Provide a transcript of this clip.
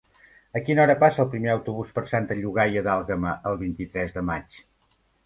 A quina hora passa el primer autobús per Santa Llogaia d'Àlguema el vint-i-tres de maig?